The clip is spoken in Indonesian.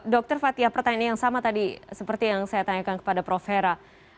dr fathia pertanyaan yang sama tadi seperti yang saya tanyakan kepada prof hera